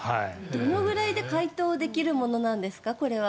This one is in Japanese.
どのぐらいで解凍できるものなんですか？